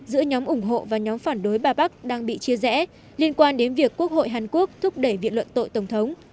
giữa nhóm ủng hộ và nhóm phản đối ba bắc đang bị chia rẽ liên quan đến việc quốc hội hàn quốc thúc đẩy viện luận tội tổng thống